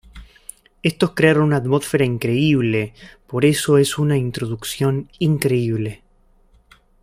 Estos crearon una atmósfera increíble, por eso es una introducción increíble.